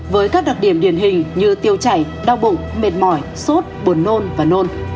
với các đặc điểm điển hình như tiêu chảy đau bụng mệt mỏi sốt buồn nôn và nôn